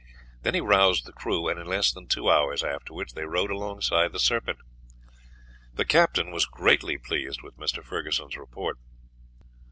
Then he roused the crew, and in less than two hours afterwards they rowed alongside the Serpent. The captain was greatly pleased with Mr. Ferguson's report.